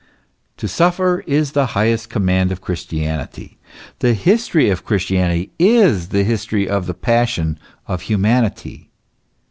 To suffer is the highest command of Christianity the history of Christianity is the history of the Passion of Humanity.